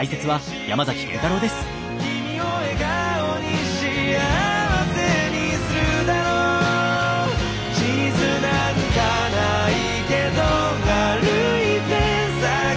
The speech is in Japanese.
「君を笑顔に幸せにするだろう」「地図なんかないけど歩いて探して」